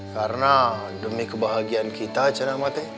karena demi kebahagiaan kita cuman ma tete